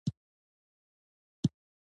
اته ويشت نهه ويشت دېرش